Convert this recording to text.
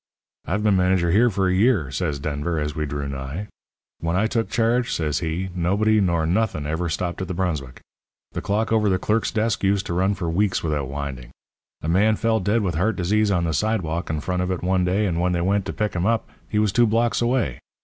"'I've been manager here for a year,' says Denver, as we drew nigh. 'When I took charge,' says he, 'nobody nor nothing ever stopped at the Brunswick. The clock over the clerks' desk used to run for weeks without winding. A man fell dead with heart disease on the sidewalk in front of it one day, and when they went to pick him up he was two blocks away.